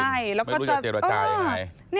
ไม่รู้จะเจรจากลายยังไง